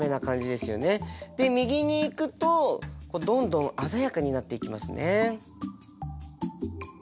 で右にいくとどんどんあざやかになっていきますね。